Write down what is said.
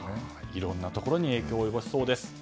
いろんなところに影響を及ぼしそうです。